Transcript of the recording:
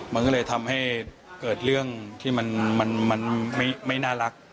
มันก็เลยทำให้เกิดเรื่องที่มันไม่น่ารัก